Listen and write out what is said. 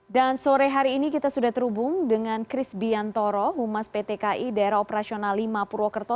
dan sore hari ini kita sudah terhubung dengan kris biantoro humas ptki daerah operasional lima purwokerto